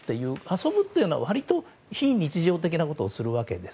遊ぶというのは割と非日常的なことをするわけです。